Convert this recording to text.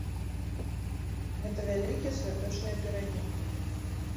Гэта вялікія святочныя пірагі.